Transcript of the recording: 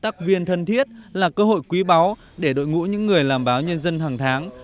tác viên thân thiết là cơ hội quý báu để đội ngũ những người làm báo nhân dân hàng tháng